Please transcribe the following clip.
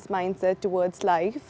dan mindset seseorang ke hidup